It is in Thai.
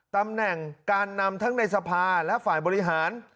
ตำแหน่งการนำทั้งในสภาและฝ่ายบริหาร